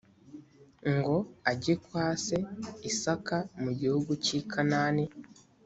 ngo ajye kwa se isaka mu gihugu cy i kanani